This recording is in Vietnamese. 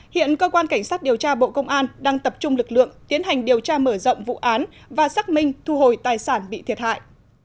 hiện cơ quan cảnh sát điều tra bộ công an đang tập trung lực lượng tiến hành điều tra mở rộng vụ án và xác minh thu hồi tài sản bị thiệt hại